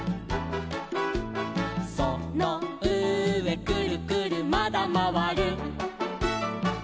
「そのうえくるくるまだまわる」